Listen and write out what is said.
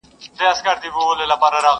زورور له زورور څخه ډارېږي!